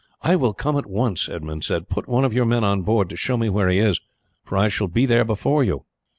"I will come at once," Edmund said. "Put one of your men on board to show me where he is, for I shall be there before you."